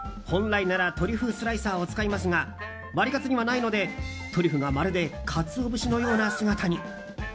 本来ならトリュフスライサーを使いますがワリカツにはないのでトリュフがまるでカツオ節のような姿に。